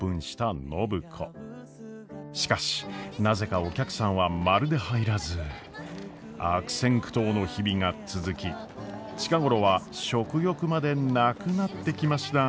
しかしなぜかお客さんはまるで入らず悪戦苦闘の日々が続き近頃は食欲までなくなってきました。